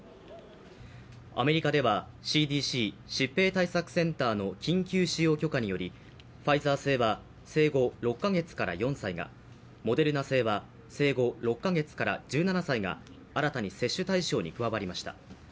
アメリカではＣＤＣ＝疾病対策センターの緊急使用許可によりファイザー製は生後６カ月から４歳がモデルナ製は生後６カ月から１７歳が新たに接種対象に加わりました。